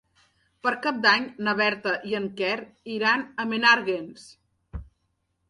Per Cap d'Any na Berta i en Quer iran a Menàrguens.